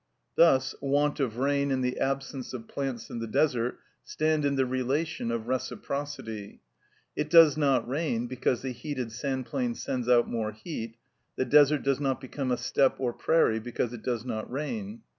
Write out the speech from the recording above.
Thus, want of rain and the absence of plants in the desert stand in the relation of reciprocity; it does not rain because the heated sand plain sends out more heat; the desert does not become a steppe or prairie because it does not rain.